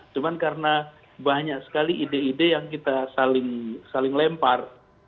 cuma karena banyak sekali ide ide yang kita saling lempar